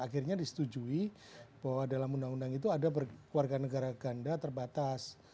akhirnya disetujui bahwa dalam undang undang itu ada warga negara ganda terbatas